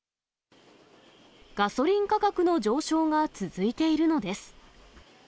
ガソリン価格の上昇が続いているのです。